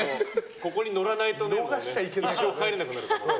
ここに乗らないと一生、帰れなくなるから。